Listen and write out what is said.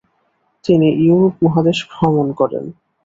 তিনি ইউরোপ মহাদেশ ভ্রমণ করেন।